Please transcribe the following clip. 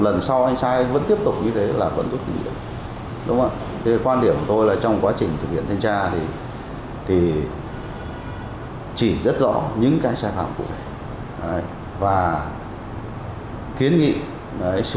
lần sau anh sai vẫn tiếp tục như thế là vẫn rút kinh nghiệm